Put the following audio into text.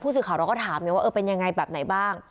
สื่อข่าวเราก็ถามไงว่าเออเป็นยังไงแบบไหนบ้าง